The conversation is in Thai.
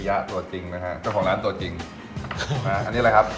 สักยะตัวจริงนะฮะแต่ของร้านตัวจริงอันนี้อะไรครับ